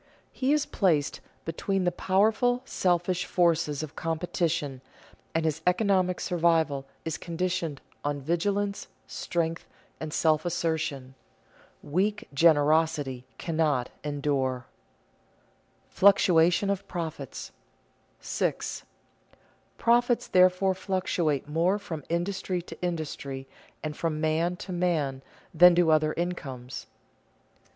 He is placed between the powerful, selfish forces of competition, and his economic survival is conditioned on vigilance, strength, and self assertion. Weak generosity cannot endure. [Sidenote: Fluctuation of profits] 6. _Profits therefore fluctuate more from industry to industry and from man to man than do other incomes.